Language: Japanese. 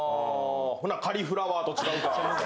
ほなカリフラワーと違うか。